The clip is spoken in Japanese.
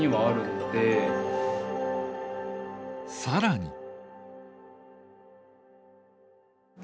更に。